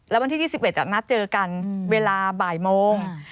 วันที่๒๑นัดเจอกันเวลาบ่ายโมง